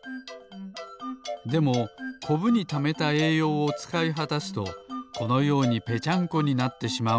でもコブにためたえいようをつかいはたすとこのようにぺちゃんこになってしまうんです。